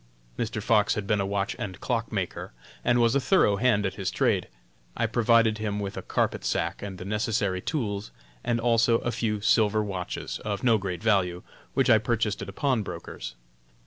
Mr. Fox had been a watch and clock maker, and was a thorough hand at his trade. I provided him with a carpet sack and the necessary tools, and also a few silver watches, of no great value, which I purchased at a pawn broker's.